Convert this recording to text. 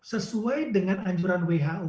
sesuai dengan anjuran who